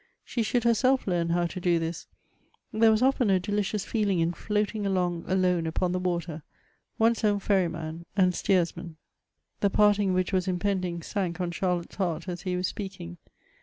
She should herself learn how to do this ; there was often a delicious feeling in floating along alone upon the water, one's own ferryman and steersman. The parting which was impending, sank on Charlotte's heart as he was speaking.